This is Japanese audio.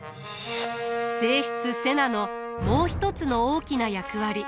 正室瀬名のもう一つの大きな役割。